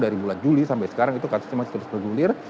dari bulan juli sampai sekarang itu kasusnya masih terus bergulir